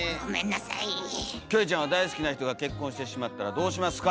キョエちゃんは大好きな人が結婚してしまったらどうしますか？